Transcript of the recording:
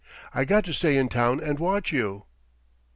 I got to stay in town and watch you.'